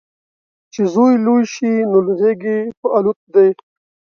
چې زوی لوی شي، نو له غیږې په الوت دی